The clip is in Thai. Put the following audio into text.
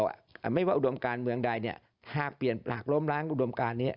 ว่าไม่ว่าอุดมการเมืองใดหากล้อมล้างอุดมการนี้